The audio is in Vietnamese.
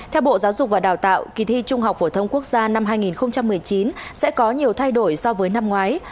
theo bộ giáo dục và đào tạo kỳ thi trung học phổ thông quốc gia năm hai nghìn một mươi chín sẽ có nhiều thay đổi so với năm ngoái